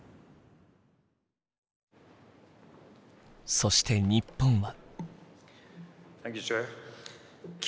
そして日本は。